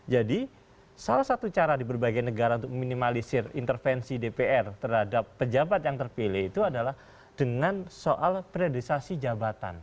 jadi salah satu cara di berbagai negara untuk meminimalisir intervensi dpr terhadap pejabat yang terpilih itu adalah dengan soal priorisasi jabatan